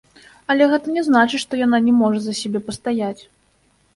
Але гэта не значыць, што яна не можа за сябе пастаяць.